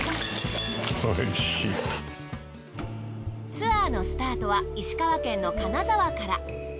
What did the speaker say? ツアーのスタートは石川県の金沢から。